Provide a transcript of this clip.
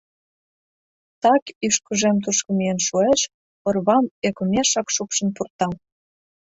Так ӱшкыжем тушко миен шуэш — орвам ӧкымешак шупшын пурта.